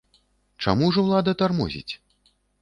Чаму ж улада тармозіць?